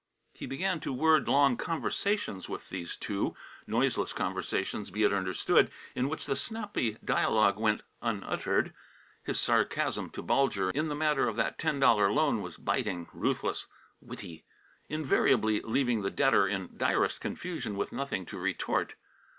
He began to word long conversations with these two; noiseless conversations, be it understood, in which the snappy dialogue went unuttered. His sarcasm to Bulger in the matter of that ten dollar loan was biting, ruthless, witty, invariably leaving the debtor in direst confusion with nothing to retort.